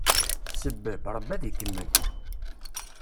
Sebbeb, Ṛebbi ad ikemmel!